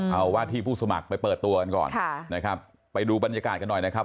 เอาว่าที่ผู้สมัครไปเปิดตัวกันก่อนค่ะนะครับไปดูบรรยากาศกันหน่อยนะครับ